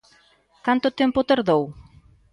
¿Canto tempo tardou?